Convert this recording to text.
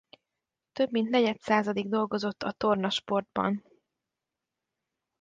Több mint negyedszázadig dolgozott a torna sportban.